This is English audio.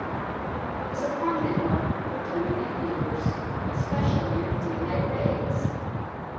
It was a prominent mark for German aviators, especi ally in the daylight raids.